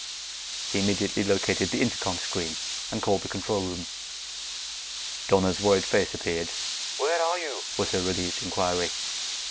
He immediately located the intercom screen and called the control room. Donna's worried face appeared. "Where are you?" was her relieved inquiry.